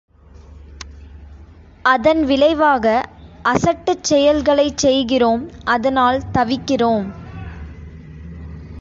அதன் விளைவாக அசட்டுச் செயல்களைச் செய்கிறோம் அதனால் தவிக்கிறோம்.